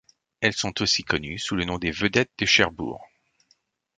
Elles sont aussi connues sous le nom des vedettes de Cherbourg.